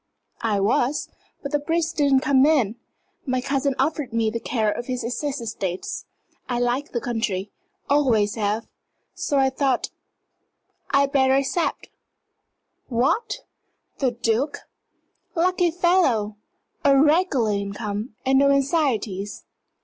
"I was, but the briefs didn't come in. My cousin offered me the care of his Essex estates. I like the country always have. So I thought I'd better accept." "What the Duke? Lucky fellow! A regular income, and no anxieties.